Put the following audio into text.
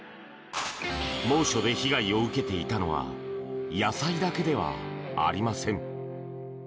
猛暑で被害を受けていたのは野菜だけではありません。